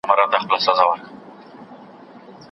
په شخص کي د پورتنیو ښېګڼو شتون هغه بریالی کوي.